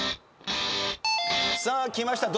さあきました。